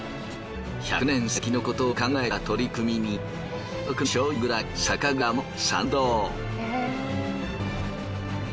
１００年先のことを考えた取り組みに全国の醤油蔵や酒蔵も賛同。